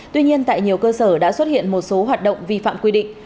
tuy nhiên tại nhiều cơ sở đã xuất hiện một số hoạt động vi phạm quy định